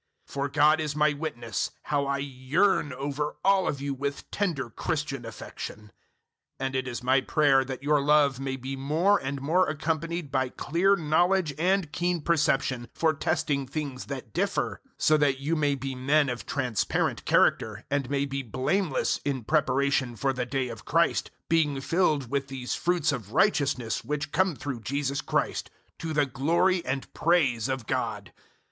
001:008 For God is my witness how I yearn over all of you with tender Christian affection. 001:009 And it is my prayer that your love may be more and more accompanied by clear knowledge and keen perception, for testing things that differ, 001:010 so that you may be men of transparent character, and may be blameless, in preparation for the day of Christ, 001:011 being filled with these fruits of righteousness which come through Jesus Christ to the glory and praise of God.